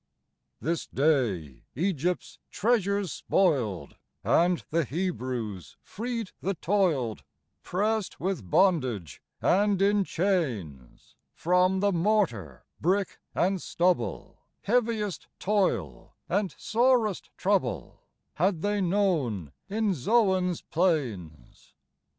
l & j This day Egypt's treasures spoiled, And the Hebrews freed the toiled, Pressed with bondage and in chains ; From the mortar, brick, and stubble, Heaviest toil and sorest trouble Had they known in Zoan's plains.